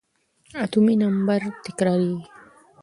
اتومي نمبر تکرارېږي.